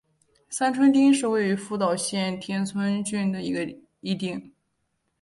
三春町是位于福岛县田村郡的一町。